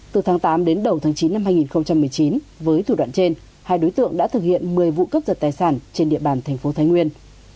từ tháng tám đến đầu tháng chín năm hai nghìn một mươi chín với thủ đoạn trên hai đối tượng đã thực hiện một mươi vụ cấp giật tài sản trên địa bàn thành phố thái nguyên